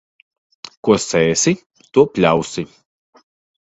Ko sēsi, to pļausi.